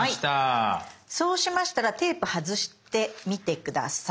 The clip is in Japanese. そうしましたらテープ外してみて下さい。